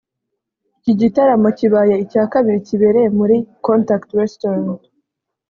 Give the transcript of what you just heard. Iki gitaramo kibaye icya kabiri kibereye muri Contact Restaurant